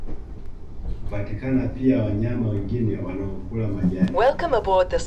Hupatikana pia wanyama wengine wanaokula majani